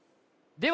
では